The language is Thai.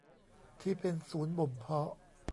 ที่เป็นศูนย์บ่มเพาะ